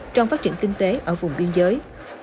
trong phát triển kinh tế ở vùng biên giới